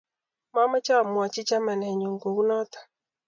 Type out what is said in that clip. Mamache amwachi chamanenyun kou notok